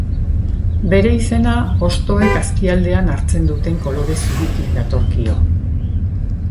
Bere izena, hostoek azpialdean hartzen duten kolore zuritik datorkio.